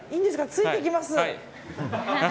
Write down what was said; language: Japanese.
ついていきます。